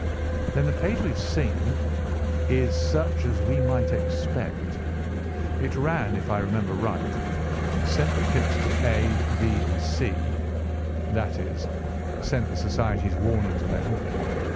"Then the page we have seen—" "Is such as we might expect. It ran, if I remember right, 'sent the pips to A, B, and C'—that is, sent the society's warning to them.